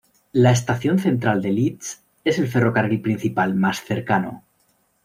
La estación central de Leeds es el ferrocarril principal más cercano.